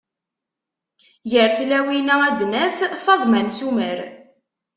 Gar tlawin-a ad naf: Faḍma n Summer.